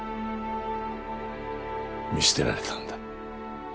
見捨てられたんだ